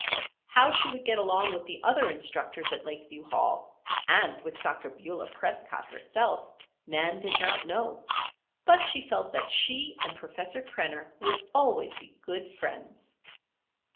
How she would get along with the other instructors at Lakeview Hall, and with Dr. Beulah Prescott, herself, Nan did not know; but she felt that she and Professor Krenner would always be good friends.